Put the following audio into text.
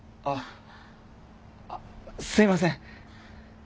あっすいません！